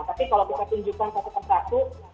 tapi kalau kita tunjukkan satu satu